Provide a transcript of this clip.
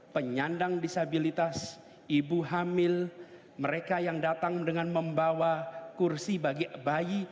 penyandang disabilitas ibu hamil mereka yang datang dengan membawa kursi bagi bayi